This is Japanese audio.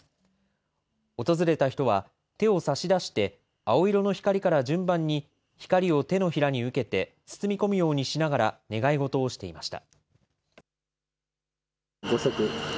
訪れた人は、手を差し出して、青色の光から順番に光を手のひらに受けて包み込むようにしながら願い事をしていました。